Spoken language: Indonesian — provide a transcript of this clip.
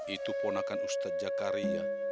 itu ponakan ustadz jakariyah